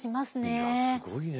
いやすごいね。